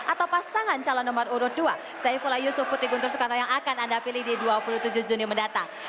atau pasangan calon nomor urut dua saifullah yusuf putih guntur soekarno yang akan anda pilih di dua puluh tujuh juni mendatang